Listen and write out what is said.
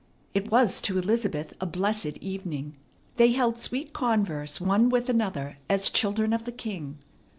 It was to Elizabeth a blessed evening. They held sweet converse one with another as children of the King.